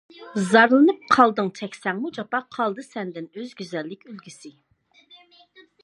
زارلىنىپ قالمىدىڭ چەكسەڭمۇ جاپا، قالدى سەندىن ئۈز گۈزەللىك ئۈلگىسى.